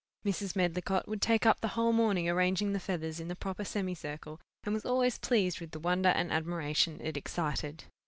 Mrs. Medlicott would take up the whole morning arranging the feathers in the proper semicircle, and was always pleased with the wonder and admiration it excited.